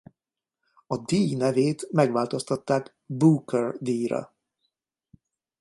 A díj nevét megváltoztatták Booker-díjra.